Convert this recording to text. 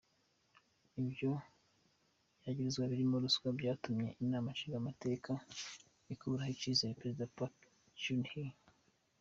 Ivyo yagirizwa birimwo ruswa, vyatumye inama nshingamateka ikurako icizere prezida Park Geun-hye.